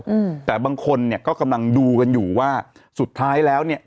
อืมแต่บางคนเนี้ยก็กำลังดูกันอยู่ว่าสุดท้ายแล้วเนี้ย